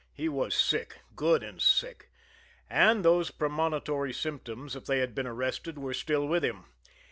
He was sick, good and sick, and those premonitory symptoms, if they had been arrested, were still with him.